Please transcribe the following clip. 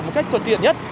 một cách tuần tiện nhất